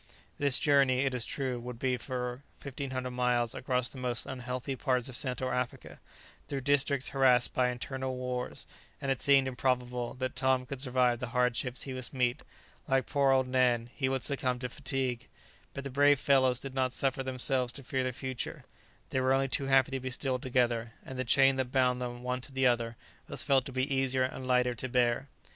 This journey, it is true, would be for 1500 miles across the most unhealthy parts of Central Africa, through districts harassed by internal wars; and it seemed improbable that Tom could survive the hardships he must meet; like poor old Nan, he would succumb to fatigue; but the brave fellows did not suffer themselves to fear the future, they were only too happy to be still together; and the chain that bound them one to another was felt to be easier and lighter to bear.